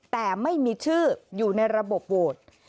แต่ไม่มีชื่ออยู่ในระบบโหวต